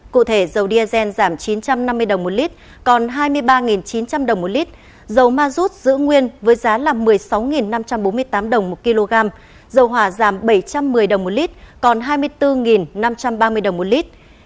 cụ thể dầu diesel giảm chín trăm năm mươi đồng một lít còn hai mươi ba chín trăm linh đồng một lít dầu ma rút giữ nguyên với giá là một mươi sáu năm trăm bốn mươi tám đồng một kg dầu hỏa giảm bảy trăm một mươi đồng một lít còn hai mươi bốn năm trăm ba mươi đồng một lít